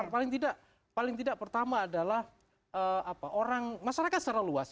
paling tidak pertama adalah masyarakat secara luas